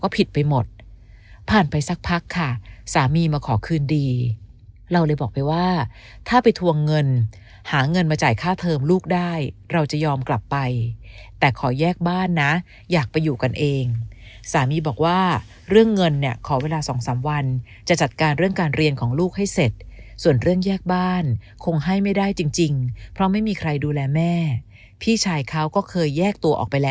ผิดไปหมดผ่านไปสักพักค่ะสามีมาขอคืนดีเราเลยบอกไปว่าถ้าไปทวงเงินหาเงินมาจ่ายค่าเทอมลูกได้เราจะยอมกลับไปแต่ขอแยกบ้านนะอยากไปอยู่กันเองสามีบอกว่าเรื่องเงินเนี่ยขอเวลาสองสามวันจะจัดการเรื่องการเรียนของลูกให้เสร็จส่วนเรื่องแยกบ้านคงให้ไม่ได้จริงเพราะไม่มีใครดูแลแม่พี่ชายเขาก็เคยแยกตัวออกไปแล้ว